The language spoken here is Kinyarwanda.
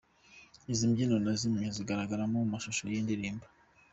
Izi mbyino ni zimwe muzigaragara mu mashusho y'iyi ndirimbo.